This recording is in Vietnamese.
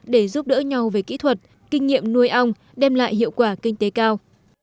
để giúp đỡ nhau về kỹ thuật kinh nghiệm nuôi ong đem lại hiệu quả kinh tế cao